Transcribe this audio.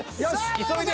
急いで。